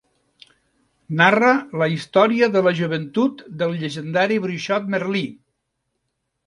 Narra la història de la joventut del llegendari bruixot Merlí.